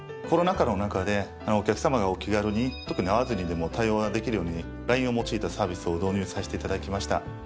コロナ禍の中でお客様がお気軽に特に会わずにでも対応ができるようにＬＩＮＥを用いたサービスを導入させて頂きました。